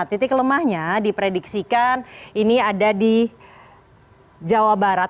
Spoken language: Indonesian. titik lemahnya diprediksikan ini ada di jawa barat